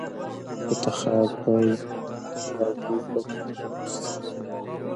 د تخار په ینګي قلعه کې د مالګې نښې شته.